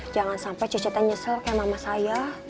jangan sampai cecetan nyesel kayak mama saya